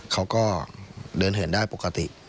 เขาก็เดินเหินได้ปกติ